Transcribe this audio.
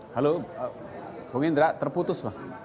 halo bung indra terputus lah